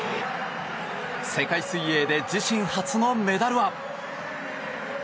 世界水泳で自身初のメダルは。